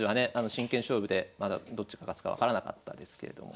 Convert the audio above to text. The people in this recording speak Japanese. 真剣勝負でまだどっちが勝つか分からなかったですけれども。